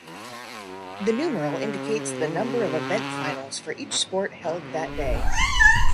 The numeral indicates the number of event finals for each sport held that day.